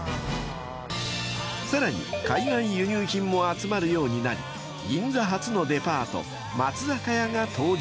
［さらに海外輸入品も集まるようになり銀座初のデパート松坂屋が登場］